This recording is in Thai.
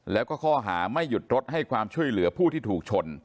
แล้วก็ข้อหาไม่หยุดรถให้ความช่วยเหลือผู้ที่ถูกชน